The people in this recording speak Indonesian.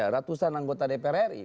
ratusan anggota dpr ri